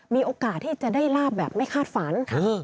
มีโอกาสที่จะได้ลาบแบบไม่คาดฝัน